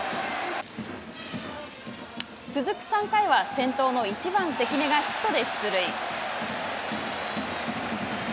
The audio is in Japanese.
続く３回は先頭の１番関根がヒットで出塁。